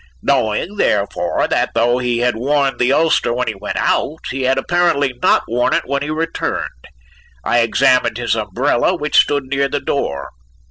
Knowing, therefore, that though he had worn the ulster when he went out, he had apparently not worn it when he returned, I examined his umbrella, which stood near the door.